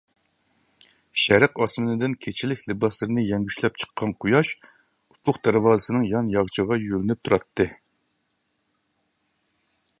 شەرق ئاسمىنىدىن كېچىلىك لىباسلىرىنى يەڭگۈشلەپ چىققان قۇياش ئۇپۇق دەرۋازىسىنىڭ يان ياغىچىغا يۆلىنىپ تۇراتتى.